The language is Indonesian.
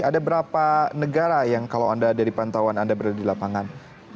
ada berapa negara yang kalau anda dari pantauan anda berada di lapangan